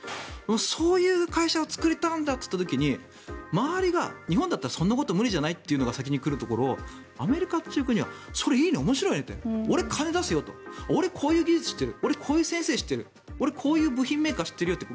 そういう会社を作りたいんだといった時に周りが日本だったらそんなこと無理じゃない？というのが先に来るところアメリカという国はそれ、面白いね俺、金出すよと俺、こういう技術知ってる俺、こういう先生知ってる俺、こういう部品メーカー知ってるよって